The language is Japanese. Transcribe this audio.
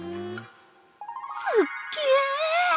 すっげえ。